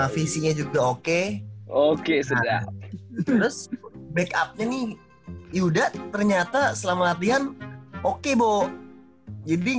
visinya juga oke oke sudah terus backupnya nih yuda ternyata selama latihan oke bo jadi